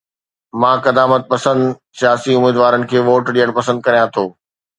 مان قدامت پسند سياسي اميدوارن کي ووٽ ڏيڻ پسند ڪريان ٿو